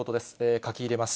書き入れます。